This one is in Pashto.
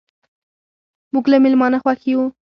موږ له میلمانه خوښ یو.